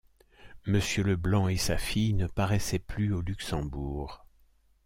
Monsieur Leblanc et sa fille ne paraissaient plus au Luxembourg.